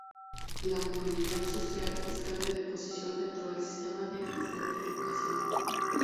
La movilidad social es cambio de posición dentro del sistema de estratificación.